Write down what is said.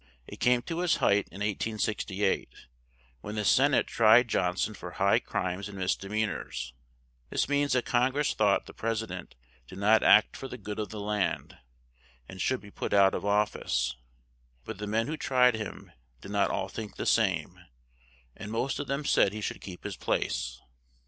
It came to its height in 1868, when the Sen ate tried John son for "high crimes and mis de mean ors;" this means that Con gress thought the pres i dent did not act for the good of the land, and should be put out of of fice; but the men who tried him did not all think the same; and most of them said he should keep his place.